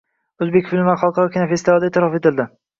O‘zbek filmlari xalqaro festivallarda e’tirof etilding